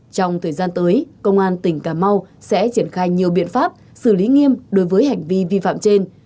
trong thời gian tới công an tỉnh cà mau sẽ triển khai nhiều biện pháp xử lý nghiêm đối với hành vi vi phạm trên